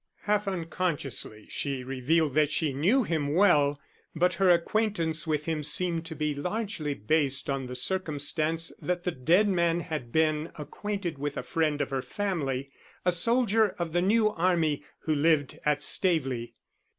Half unconsciously she revealed that she knew him well, but her acquaintance with him seemed to be largely based on the circumstance that the dead man had been acquainted with a friend of her family: a soldier of the new army, who lived at Staveley.